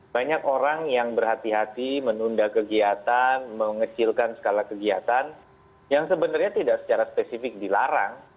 banyak orang yang berhati hati menunda kegiatan mengecilkan skala kegiatan yang sebenarnya tidak secara spesifik dilarang